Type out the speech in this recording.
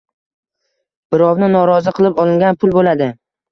birovni norozi qilib olingan pul bo‘ladi.